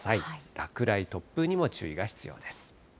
落雷、突風にも注意が必要です。